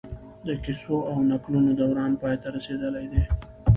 د کيسو او نکلونو دوران پای ته رسېدلی دی